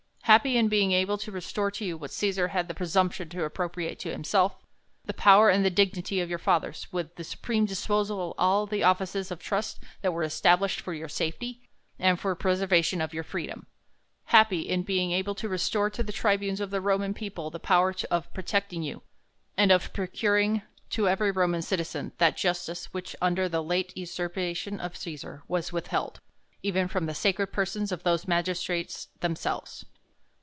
Happy in being able to restore to you what Cesar had the presumption to appropriate to himself, the power and the dignity of your fathers, with the supreme disposal of all the of fices of trust that were established for your safety, and for the preservation of your freedom ; happy in being able to restore to the tribunes of the Roman people the power of protecting you, and of procuring to every Roman citizen that justice, v,hich, under the late usur pation of Cesar, was withheld, even from the sacred persons of those magistrates themselves.